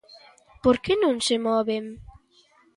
¿Por que non se moven?